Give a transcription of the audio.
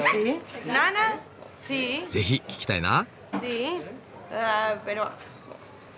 ぜひ聴きたいな。